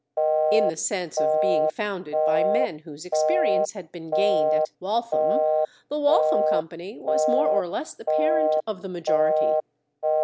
In the sense of being founded by men whose experience had been gained at Waltham, the Waltham Company was more or less the parent of the majority.